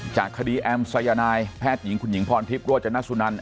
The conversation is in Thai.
จากคดีแอมสายนายแพทย์หญิงคุณหญิงพรทิพย์โรจนสุนัน